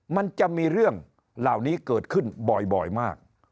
มันจะมีเรื่องเหล่านี้เกิดขึ้นบ่อยมาก